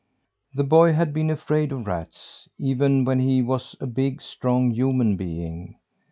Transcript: The boy had been afraid of rats, even when he was a big, strong human being.